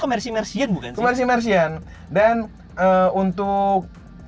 kemersi mersian dan untuk tuas yang sebelah kanan ini untuk wajibnya itu untuk kemasinan itu kan